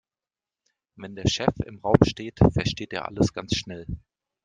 Wenn der Chef im Raum steht, versteht er alles ganz schnell.